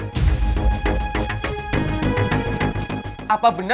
dia sudah berjaya